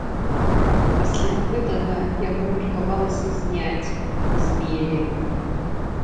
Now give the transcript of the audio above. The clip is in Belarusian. Пасля гэтага яго меркавалася зняць з мелі.